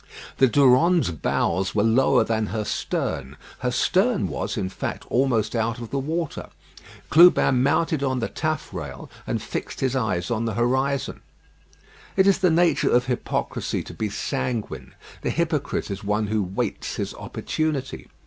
The Durande's bows were lower than her stern. Her stern was, in fact, almost out of the water. Clubin mounted on the taffrail, and fixed his eyes on the horizon. It is the nature of hypocrisy to be sanguine. The hypocrite is one who waits his opportunity.